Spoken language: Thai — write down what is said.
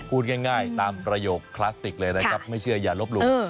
พูดง่ายตามประโยคคลาสสิกเลยนะครับไม่เชื่ออย่าลบหลู่